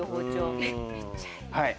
めっちゃいい。